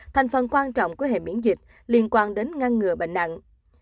thành phần quan trọng của hệ miễn dịch liên quan đến ngăn ngừa bệnh nặng